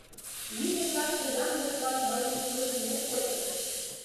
Нине шакше янлык-влак мыйым илышынек кочкыт.